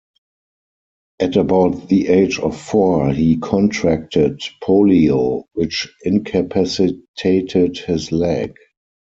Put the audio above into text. At about the age of four he contracted polio, which incapacitated his leg.